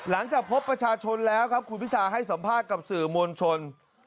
หลังจากพบประชาชนแล้วครับคุณพิธาให้สัมภาษณ์กับสื่อมวลชน